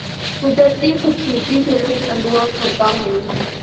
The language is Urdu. قدرتی خوبصورتی سے لطف اندوز ہوتا ہوں